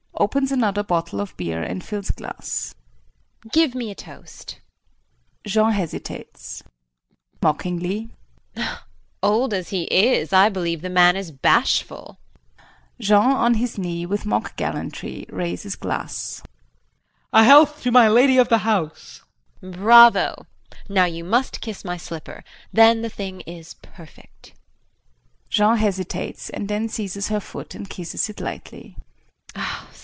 [Opens another bottle of beer and fills glass.] JULIE. Give me a toast! [Jean hesitates.] JULIE [Mockingly]. Old as he is, I believe the man is bashful! JEAN [On his knee with mock gallantry, raises glass]. A health to my lady of the house! JULIE. Bravo! Now you must kiss my slipper. Then the thing is perfect. [Jean hesitates and then seizes her foot and kisses it lightly.